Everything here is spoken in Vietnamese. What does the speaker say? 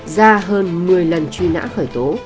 ra hơn một mươi lần truy nã khởi tố